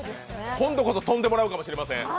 今度こそ飛んでもらうかもしれません。